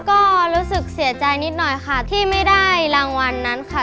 ก็รู้สึกเสียใจนิดหน่อยค่ะที่ไม่ได้รางวัลนั้นค่ะ